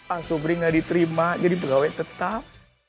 asobri gak diterima jadi pegawai tetap